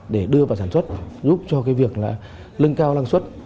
để đưa vào sản xuất giúp cho việc lưng cao lăng suất